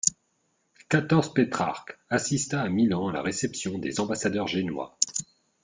quatorze Pétrarque assista à Milan à la réception des ambassadeurs génois.